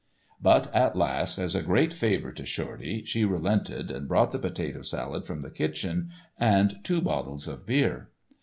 But at last, as a great favour to Shorty, she relented and brought the potato salad from the kitchen and two bottles of beer.